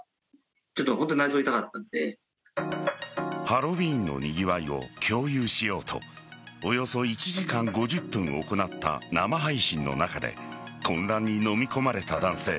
ハロウィーンのにぎわいを共有しようとおよそ１時間５０分行った生配信の中で混乱にのみ込まれた男性。